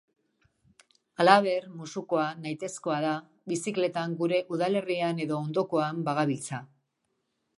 Halaber, musukoa nahitaezkoa da bizikletan gure udalerrian edo ondokoan bagabiltza.